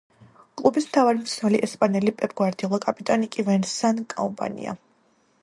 კლუბის მთავარი მწვრთნელი ესპანელი პეპ გვარდიოლა, კაპიტანი კი ვენსან კომპანია.